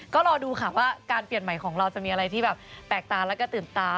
ก็รอดูค่ะว่าการเปลี่ยนใหม่ของเราจะมีอะไรที่แบบแปลกตาแล้วก็ตื่นตา